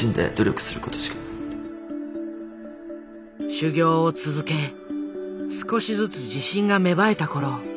修業を続け少しずつ自信が芽生えた頃。